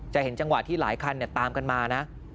เห็นจังหวะที่หลายคันตามกันมานะ